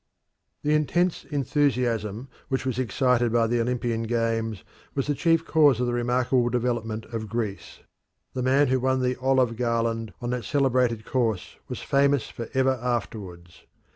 The intense enthusiasm which was excited by the Olympian Games was the chief cause of the remarkable development of Greece. The man who won the olive garland on that celebrated course was famous for ever afterwards.